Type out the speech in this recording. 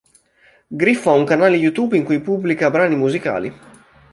Griffo ha un canale YouTube in cui pubblica brani musicali.